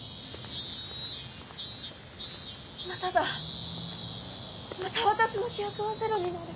まただまた私の記憶はゼロになる。